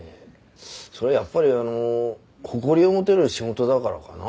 そりゃやっぱりあの誇りを持てる仕事だからかな。